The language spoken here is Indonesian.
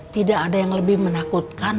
tidak ada yang lebih menakutkan